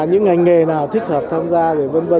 những ngành nghề nào thích hợp tham gia